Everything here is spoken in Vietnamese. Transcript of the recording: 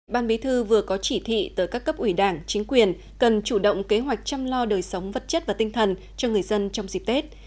ban bí thư vừa có chỉ thị tới các cấp ủy đảng chính quyền cần chủ động kế hoạch chăm lo đời sống vật chất và tinh thần cho người dân trong dịp tết